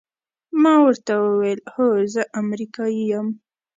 ما ورته وویل: هو، زه امریکایی یم.